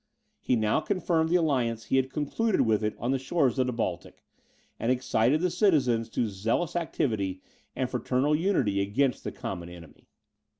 He now confirmed the alliance he had concluded with it on the shores of the Baltic, and excited the citizens to zealous activity and fraternal unity against the common enemy.